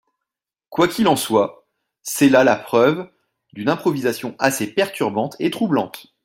Quoi qu’il en soit, c’est là la preuve d’une improvisation assez perturbante et troublante.